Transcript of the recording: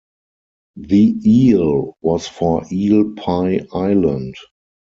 The eel was for Eel Pie Island.